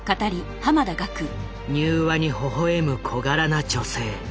柔和にほほ笑む小柄な女性。